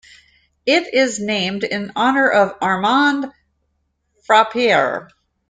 It is named in honour of Armand Frappier.